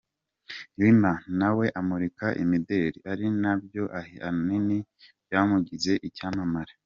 Lima na we amurika imideli, ari na byo ahanini byamugize icyampamare.